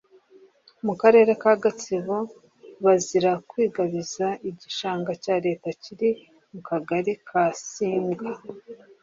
mu karere ka Gatsibo bazira kwigabiza igishanga cya Leta kiri mu kagari ka Simbwa